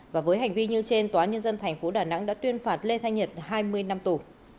và với hành vi như trên tòa nhân dân tp đà nẵng đã tuyên phạt lê thanh nhật hai mươi năm tù